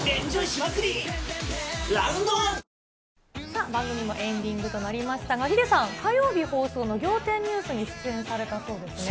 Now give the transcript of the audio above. さあ、番組もエンディングとなりましたが、ヒデさん、火曜日放送の仰天ニュースに出演されたそうですね。